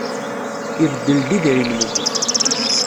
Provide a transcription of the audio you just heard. Ibeddel-d idrimen-nni.